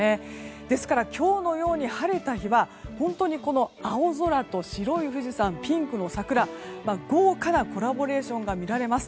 ですから今日のように晴れた日は本当に青空と白い富士山ピンクの桜豪華なコラボレーションが見られます。